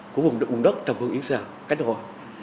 của vùng đất trầm hương yến rào cánh hòa